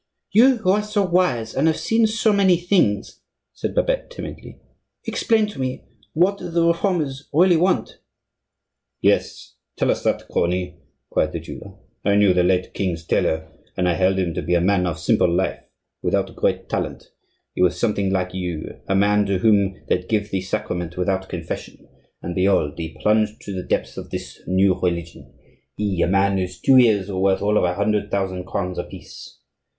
"You who are so wise and have seen so many things," said Babette, timidly, "explain to me what the Reformers really want." "Yes, tell us that, crony," cried the jeweller. "I knew the late king's tailor, and I held him to be a man of simple life, without great talent; he was something like you; a man to whom they'd give the sacrament without confession; and behold! he plunged to the depths of this new religion,—he! a man whose two ears were worth all of a hundred thousand crowns apiece.